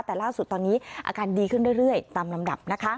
แต่ล่าสุดตอนนี้อาการดีขึ้นเรื่อยตามลำดับนะคะ